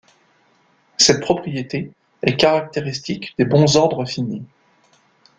Cette propriété est caractéristique des bons ordres finis.